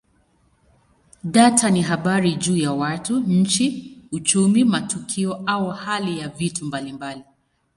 Data ni habari juu ya watu, nchi, uchumi, matukio au hali ya vitu mbalimbali.